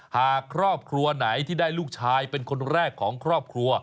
หากครอบครัวไหนที่ได้ลูกชายเป็นคนแรกของครอบครัว